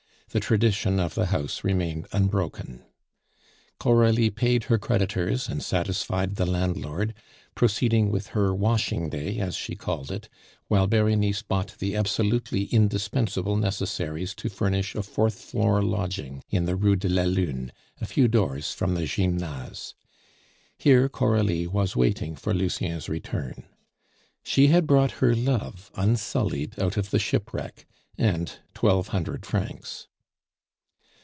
The tradition of the house remained unbroken. Coralie paid her creditors and satisfied the landlord, proceeding with her "washing day," as she called it, while Berenice bought the absolutely indispensable necessaries to furnish a fourth floor lodging in the Rue de la Lune, a few doors from the Gymnase. Here Coralie was waiting for Lucien's return. She had brought her love unsullied out of the shipwreck and twelve hundred francs.